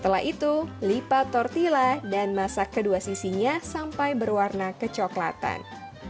setelah itu lipat tortilla dan masak kedua sisinya sampai berwarna kecoklatan